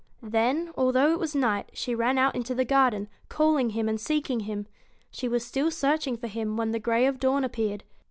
Then, although it was night, she ran out into the garden, calling him and seeking him. She was still searching for him when the grey of dawn appeared.